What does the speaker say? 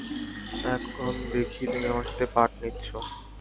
এখন দেখি তুমি আমার সাথে পাট নিচ্ছ?